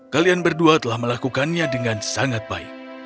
kalian berdua telah melakukannya dengan sangat baik